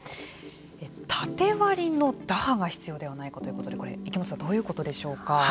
縦割りの打破が必要ではないかということでこれ、池本さんどういうことでしょうか。